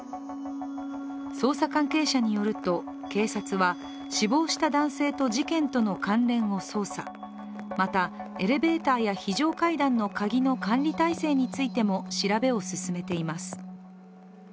捜査関係者によると、警察は、死亡した男性と事件との関連を捜査また、エレベーターや非常階段の鍵の管理体制についても調べを進めています。